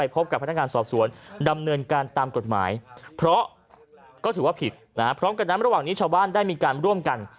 พร้อมกันแล้วรหว่างนี้ชาวบ้านได้มีการร่วมกัน